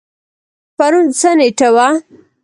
پرون څه نیټه وه؟